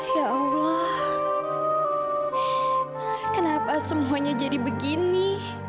ya allah kenapa semuanya jadi begini